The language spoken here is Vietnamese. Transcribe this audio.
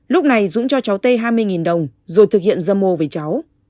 lúc này dũng cho cháu tê hai mươi đồng rồi thực hiện dâm ô với cháu